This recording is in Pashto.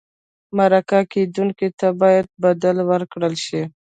مرکه کېدونکي ته باید بدل ورکړل شي.